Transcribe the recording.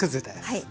はい。